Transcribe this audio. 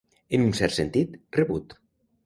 En un cert sentit, rebut.